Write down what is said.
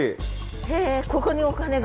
へえここにお金が？